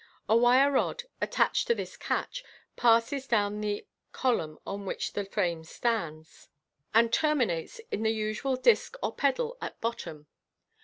A wire rod, attached to this catch, passes down the column on which the frame stands, and terminates in the usual disc or pedal at bottom.